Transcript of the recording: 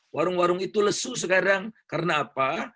warung warung itu lesu sekarang karena apa